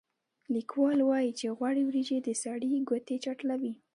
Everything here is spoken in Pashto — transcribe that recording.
لیکوال وايي چې غوړې وریجې د سړي ګوتې چټلوي.